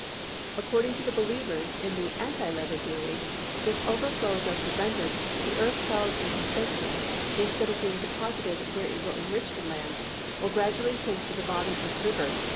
According to the believers in the anti levee theory, if overflows are prevented, the earth held in suspension, instead of being deposited where it will enrich the land, will gradually sink to the bottom of the river.